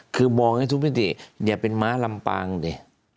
คือมองให้ทุกมิติอย่าเป็นม้าลำปางดิ